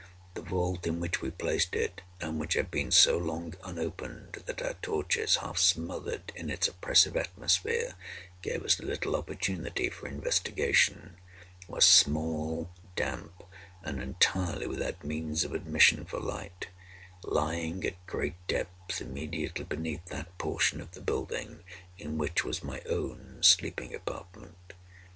The vault in which we placed it (and which had been so long unopened that our torches, half smothered in its oppressive atmosphere, gave us little opportunity for investigation) was small, damp, and entirely without means of admission for light; lying, at great depth, immediately beneath that portion of the building in which was my own sleeping apartment.